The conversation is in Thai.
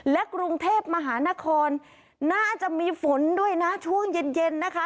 และกรุงเทพมหานครน่าจะมีฝนด้วยนะช่วงเย็นเย็นนะคะ